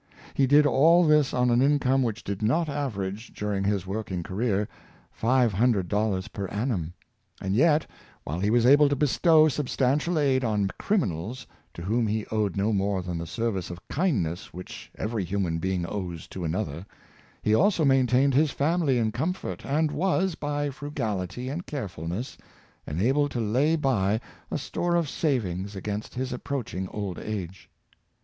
He did all this on an income which did not average, during his working career, $500 per annum; and yet, while he was able to bestow substantial aid on crimi nals, to whom he owed no more than the service of kindness which every human being owes to another, he also maintained his family in comfort, and was, by fru gality and carefulness, enabled to lay by a store of sav ings against his approaching old age.